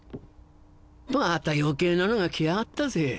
また余計なのが来やがったぜ。